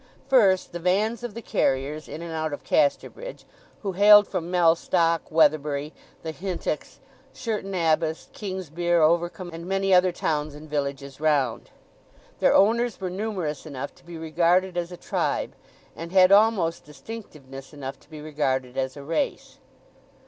First the vans of the carriers in and out of Casterbridge, who hailed from Mellstock, Weatherbury, The Hintocks, Sherton Abbas, Kingsbere, Overcombe, and many other towns and villages round. Their owners were numerous enough to be regarded as a tribe, and had almost distinctiveness enough to be regarded as a race.